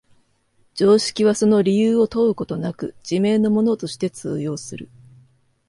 常識はその理由を問うことなく、自明のものとして通用する。